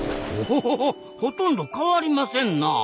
おお！ほとんど変わりませんな。